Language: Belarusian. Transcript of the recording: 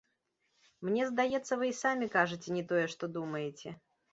Мне здаецца, вы і самі кажаце не тое, што думаеце.